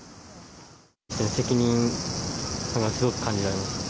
責任はすごく感じられますね。